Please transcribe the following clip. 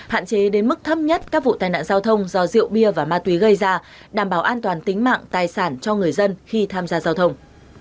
hạn chế đến mức thấp nhất các vụ tai nạn giao thông do rượu bia và ma túy gây ra đảm bảo an toàn tính mạng tài sản cho người dân khi tham gia giao thông